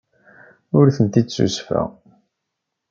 Ur ten-id-ssusufeɣ.